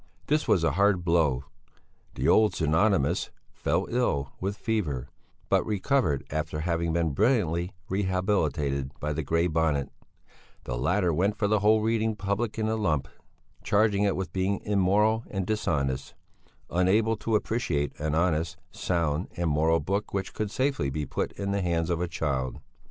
This was a hard blow; the old "pseudonymus" fell ill with fever, but recovered after having been brilliantly rehabilitated by the Grey Bonnet; the latter went for the whole reading public in a lump, charging it with being immoral and dishonest, unable to appreciate an honest, sound, and moral book which could safely be put into the hands of a child.